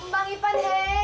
bang iban hei